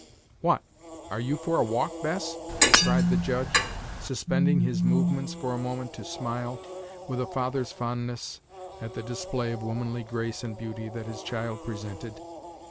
"What? are you for a walk, Bess?" cried the Judge, suspending his movements for a moment to smile, with a father's fondness, at the display of womanly grace and beauty that his child presented.